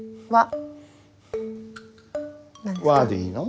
「わ」でいいの？